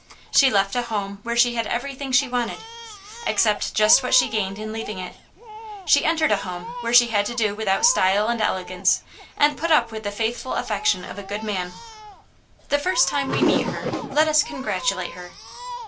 She left a home where she had everything she wanted, except just what she gained in leaving it ; she entered a home where she had to do without style and elegance, and put up with the faithful affection of a good man. The first time we meet her let us congratulate her.